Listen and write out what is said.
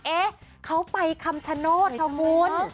เอ๊ะเขาไปคำชโนชน์ชาวมูล